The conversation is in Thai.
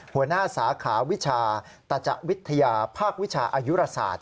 หัวหน้าสาขาวิชาตัจจะวิทยาภาควิชาอายุราศาสตร์